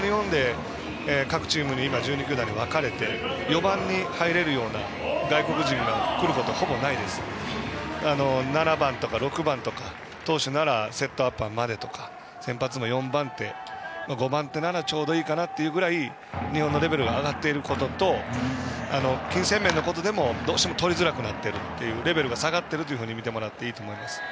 現状、日本で１２球団で４番に入れるような外国人が来ることはなくて７番とか６番とか投手ならセットアッパーまでとか先発の４番手、５番手ならちょうどいいかなというぐらい日本のレベルが上がっていることと金銭面のことでもどうしてもとりづらくなるレベルが下がっていると見ていいと思います。